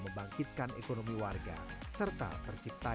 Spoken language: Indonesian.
membangkitkan ekonomi warga serta tercipta